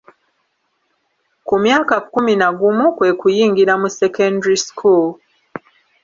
Ku myaka kkumi, na gumu kwe kuyingira mu Secondary School.